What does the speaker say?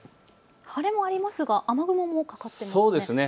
晴れもありますが雨雲もかかっていますね。